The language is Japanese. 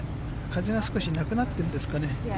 風が少しなくなっているんですかね。